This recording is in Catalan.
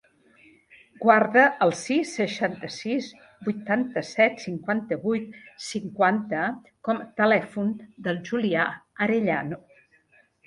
Guarda el sis, seixanta-sis, vuitanta-set, cinquanta-vuit, cinquanta com a telèfon del Julià Arellano.